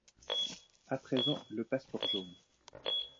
À présent, le passeport jaune!